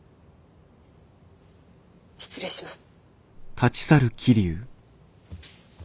失礼します。